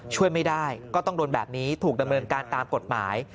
ช่วยไม่ได้ก็ต้องโดนแบบนี้ถูกดำเนินการตามกฎหมาย